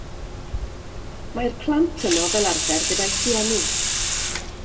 Mae'r plant yno fel arfer gyda'u rhieni.